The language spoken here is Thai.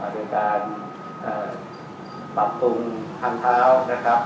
เป็นการปรับปรุงทางเท้านะครับ